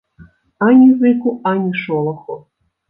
Ані зыку, ані шолаху.